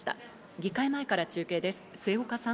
議会前から中継です、末岡さん。